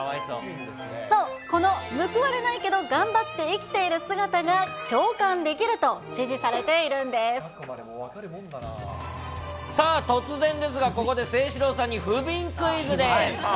そう、この報われないけど頑張って生きている姿が共感できると、さあ、突然ですが、ここで清史郎さんに不憫クイズです。